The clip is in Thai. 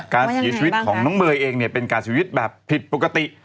การเสียชีวิตของน้องเมย์เองเนี่ยเป็นการชีวิตแบบผิดปกติ